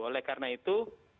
oleh karena itu